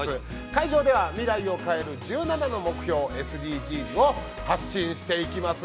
会場では、未来を変える１７の目標ＳＤＧｓを発信していきます。